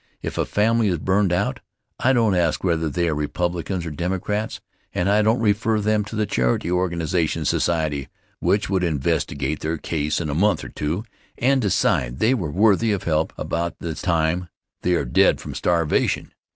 If a family is burned out I don't ask whether they are Republicans or Democrats, and I don't refer them to the Charity Organization Society, which would investigate their case in a month or two and decide they were worthy of help about the time they are dead from starvation.